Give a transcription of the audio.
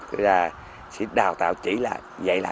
thì là sẽ đào tạo chỉ là vậy là